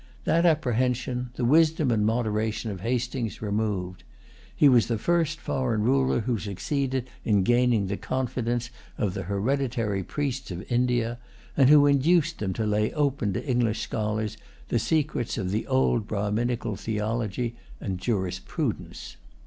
That apprehension, the wisdom and moderation of Hastings removed. He was the first foreign ruler who succeeded in gaining the confidence of the hereditary priests of India, and who induced them to lay open to English scholars the secrets of the old Brahminical theology and jurisprudence.